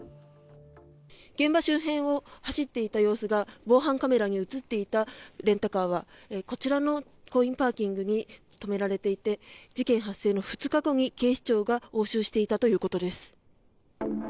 現場周辺を走っていた様子が防犯カメラに映っていたレンタカーはこちらのコインパーキングに止められていて事件発生の２日後に、警視庁が押収していたということです。